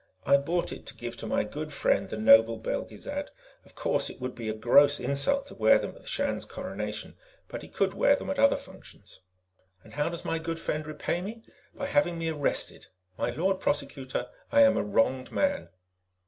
"I brought it to give to my good friend, the Noble Belgezad. Of course it would be a gross insult to wear them at the Shan's Coronation, but he could wear them at other functions. "And how does my good friend repay me? By having me arrested. My Lord Prosecutor, I am a wronged man."